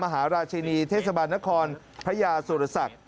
มหาราชินีเทศบาลนครพระยาสุรศักดิ์